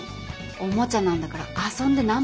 おもちゃなんだから遊んでなんぼだよ。